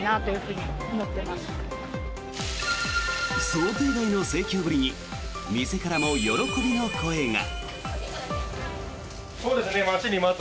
想定外の盛況ぶりに店からも喜びの声が。